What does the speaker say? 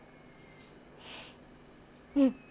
うん。